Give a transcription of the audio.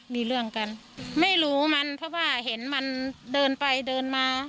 มีเรื่องกันไม่รู้มันเพราะว่าเห็นมันเดินไปเดินมา